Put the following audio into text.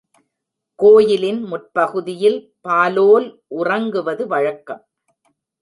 கோயிலின் முற்பகுதியில் பாலோல் உறங்குவது வழக்கம்.